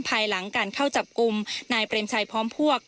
ภายหลังการเข้าจับกลุ่มนายเปรมชัยพร้อมพวก